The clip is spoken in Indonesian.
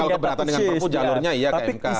kalau keberatan dengan perpu jalurnya iya ke mk